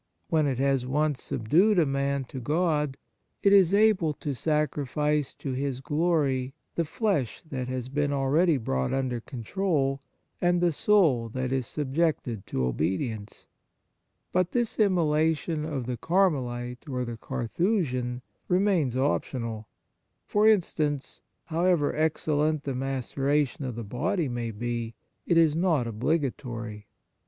When it has once subdued a man to God, it is able to sacrifice to His glory the flesh that has been already brought under con trol, and the soul that is subjected to obedience ; but this immolation of the Carmelite or the Carthusian remains optional : for instance, how ever excellent the maceration of the body may be, it is not obligatory.